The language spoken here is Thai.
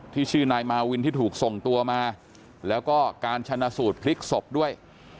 ชื่อนายมาวินที่ถูกส่งตัวมาแล้วก็การชนะสูตรพลิกศพด้วย